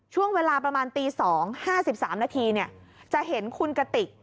ช่วงเวลาประมาณตี๒๕๓นาทีจะเห็นคุณกติก